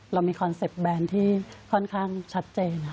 เรามีคอนเซ็ปตแบรนด์ที่ค่อนข้างชัดเจนค่ะ